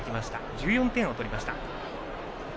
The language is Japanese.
１４得点を取りました。